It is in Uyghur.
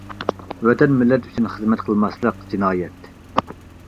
»، «ۋەتەن، مىللەت ئۈچۈن خىزمەت قىلماسلىق جىنايەت!